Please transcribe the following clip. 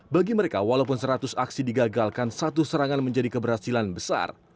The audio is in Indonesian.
bagi mereka walaupun seratus aksi digagalkan satu serangan menjadi keberhasilan besar